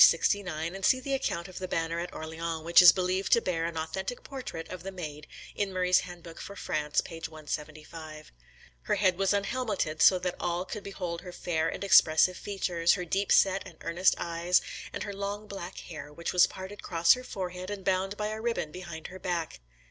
69; and see the account of the banner at Orleans, which is believed to bear an authentic portrait of the Maid, in Murray's Handbook for France, p. 175.] Her head was unhelmeted; so that all could behold her fair and expressive features, her deep set and earnest eyes, and her long black hair, which was parted across her forehead, and bound by a ribbon behind her back.